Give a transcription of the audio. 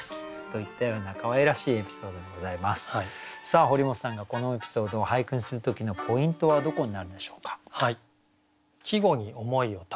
さあ堀本さんがこのエピソードを俳句にする時のポイントはどこになるでしょうか？